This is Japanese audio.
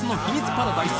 パラダイス